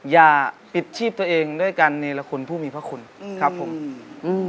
อย่าปิดชีพตัวเองด้วยการเนรคุณผู้มีพระคุณครับผมอืม